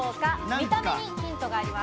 見た目にヒントがあります。